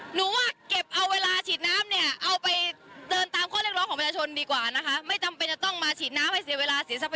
หนูมาว่ามันไม่ถูกต้องค่ะ